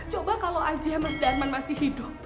coba kalau aja mas darman masih hidup